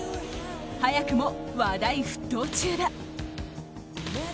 早くも話題沸騰中だ。